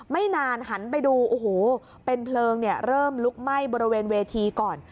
ไม่นานหันไปดูโอ้โหเป็นเพลิงเริ่มลุกไหม้บริเวณเวทีก่อน